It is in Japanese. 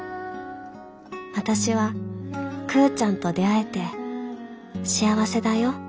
私はクウちゃんと出会えて幸せだよ